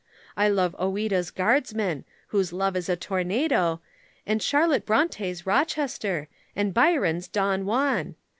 I like Ouida's guardsman, whose love is a tornado, and Charlotte Bronte's Rochester, and Byron's Don Juan.